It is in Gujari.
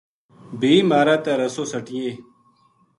بھی مھارے تا رسو سٹینے